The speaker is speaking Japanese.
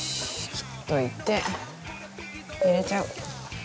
切っておいて入れちゃう！